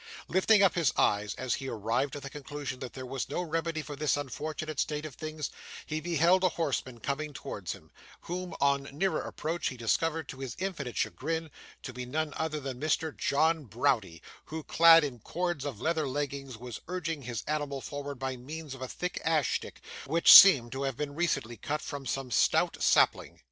Lifting up his eyes, as he arrived at the conclusion that there was no remedy for this unfortunate state of things, he beheld a horseman coming towards him, whom, on nearer approach, he discovered, to his infinite chagrin, to be no other than Mr. John Browdie, who, clad in cords and leather leggings, was urging his animal forward by means of a thick ash stick, which seemed to have been recently cut from some stout sapling.